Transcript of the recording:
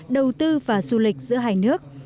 đầu tư và du lịch giữa hai nước